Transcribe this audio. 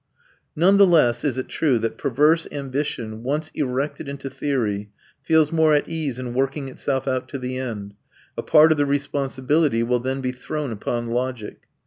None the less is it true that perverse ambition, once erected into theory, feels more at ease in working itself out to the end; a part of the responsibility will then be thrown upon logic.